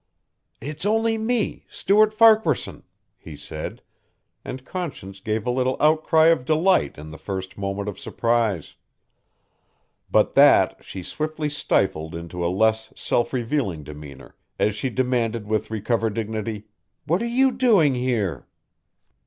"It's only me Stuart Farquaharson," he said, and Conscience gave a little outcry of delight in the first moment of surprise. But that she swiftly stifled into a less self revealing demeanor as she demanded with recovered dignity, "What are you doing here?"